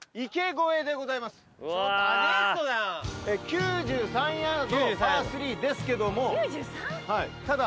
９３ヤードパー３ですけどもただ。